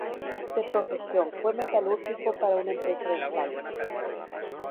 De profesión, fue metalúrgico para una empresa de ensayos.